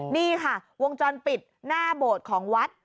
นี่ค่ะวงจรปิดหน้าโบสถ์ของวัด